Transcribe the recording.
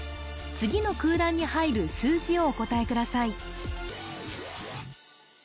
次の空欄に入る数字をお答えください